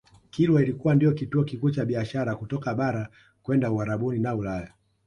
Kilwa ilikuwa ndiyo kituo kikuu cha biashara kutoka bara kwenda Uarabuni na Ulaya